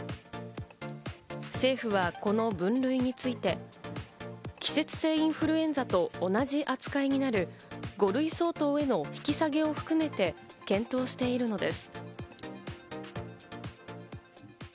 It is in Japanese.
政府はこの分類について、季節性インフルエンザと同じ扱いになる、５類相当への引き下げを含めて検討しているのです。